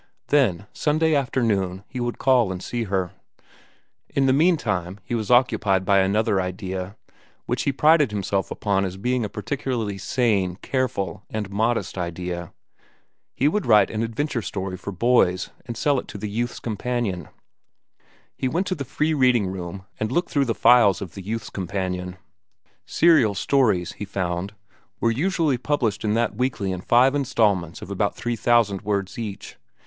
Then, Sunday afternoon, he would call and see her. In the meantime he was occupied by another idea, which he prided himself upon as being a particularly sane, careful, and modest idea. He would write an adventure story for boys and sell it to The Youth's Companion. He went to the free reading room and looked through the files of The Youth's Companion. Serial stories, he found, were usually published in that weekly in five instalments of about three thousand words each.